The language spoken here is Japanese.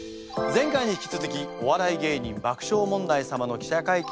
前回に引き続きお笑い芸人爆笑問題様の記者会見を行います。